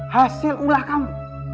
hasil ulah kamu